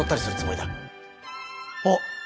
あっ！